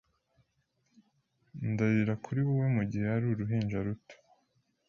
Ndarira kuri wowe Mugihe yari uruhinja ruto